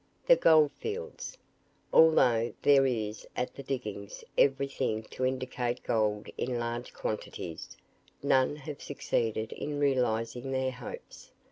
"THE GOLD FIELDS. Although there is at the diggings everything to indicate gold in large quantities, none have succeeded in realizing their hopes.